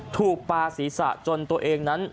ถูกปลาศีรษะจนตัวเองนั้น